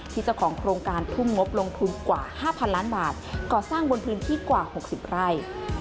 เจ้าของโครงการทุ่มงบลงทุนกว่า๕๐๐ล้านบาทก่อสร้างบนพื้นที่กว่า๖๐ไร่